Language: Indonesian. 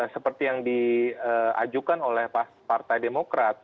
seperti yang diajukan oleh partai demokrat